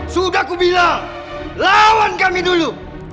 sudah kubila lawan kami dulu